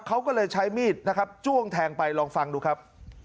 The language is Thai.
เขาก็เลยใช้มีดนะครับจ้วงแทงไปลองฟังดูครับ